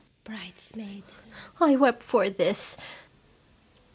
Bridesmaid. I wept for this!